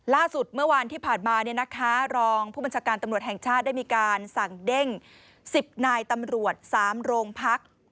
ล่าสุดเมื่อวานที่ผ่านมารองผู้บัญชาการตำรวจแห่งชาติได้มีการสั่งเด้ง๑๐นายตำรวจ๓โรงพัก